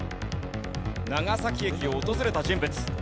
長崎駅を訪れた人物。